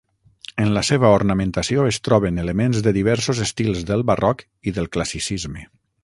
En la seva ornamentació es troben elements de diversos estils del barroc i del classicisme.